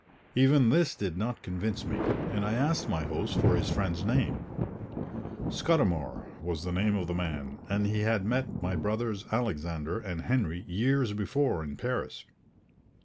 Even this did not convince me, and I asked my host for his friend's name. Scudamour was the name of the man, and he had met my brothers Alexander and Henry years before in Paris.